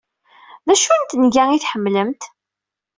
D acu n tenga ay tḥemmlemt?